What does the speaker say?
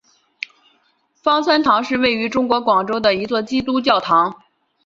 芳村堂是位于中国广州的一座基督教堂。